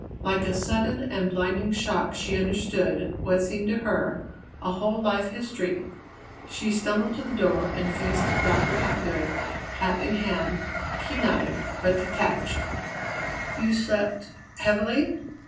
Like a sudden and blinding shock she understood, what seemed to her, a whole life history. She stumbled to the door and faced Dr. Hapgood, hat in hand, keen eyed, but detached. "You slept heavily?"